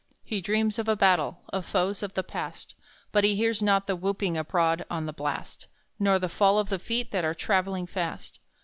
He dreams of a battle of foes of the past, But he hears not the whooping abroad on the blast, Nor the fall of the feet that are travelling fast.